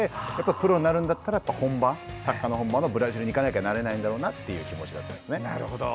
プロになるんだったらサッカーの本場のブラジルに行かなきゃなれないんだろうなと。